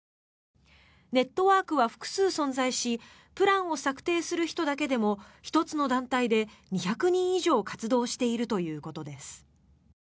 ネットワークは複数存在しプランを策定する人だけでも１つの団体で２００人以上活動しているということです。